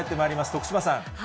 徳島さん。